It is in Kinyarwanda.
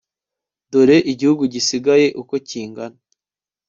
dore igihugu gisigaye uko kingana